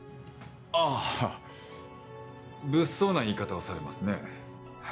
あっ物騒な言い方をされますね。